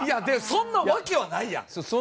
そんなわけはないやん。